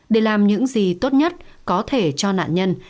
để làm những gì tốt nhất có thể cho nạn nhân